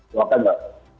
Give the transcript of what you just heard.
tuh akan nggak